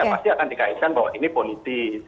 ya pasti akan dikaitkan bahwa ini politis